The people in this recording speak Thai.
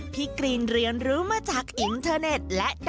กรีนเรียนรู้มาจากอินเทอร์เน็ต